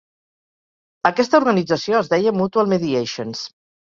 Aquesta organització es deia Mutual Mediations.